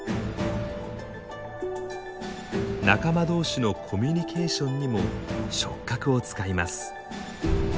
仲間どうしのコミュニケーションにも触角を使います。